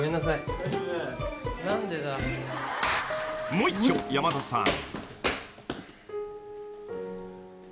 ［もういっちょ山田さん］